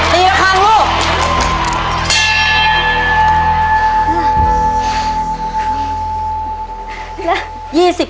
ตีกระทางลูก